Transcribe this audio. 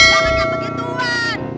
jangan yang begituan